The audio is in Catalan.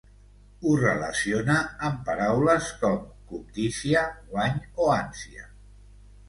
Ho relaciona amb paraules com cobdícia, guany o ànsia.